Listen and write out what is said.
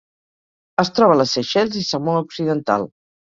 Es troba a les Seychelles i Samoa Occidental.